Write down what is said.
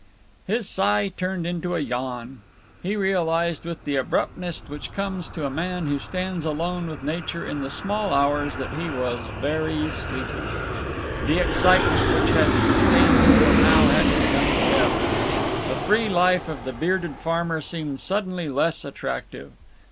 His sigh turned into a yawn. He realized with the abruptness which comes to a man who stands alone with nature in the small hours that he was very sleepy. The excitement which had sustained him till now had begun to ebb. The free life of the bearded farmer seemed suddenly less attractive.